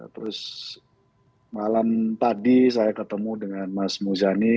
terus malam tadi saya ketemu dengan mas muzani